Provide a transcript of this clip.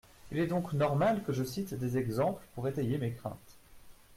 Il est donc normal que je cite des exemples pour étayer mes craintes.